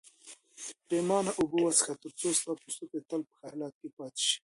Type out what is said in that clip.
پرېمانه اوبه وڅښه ترڅو ستا پوستکی تل په ښه حالت کې پاتې شي.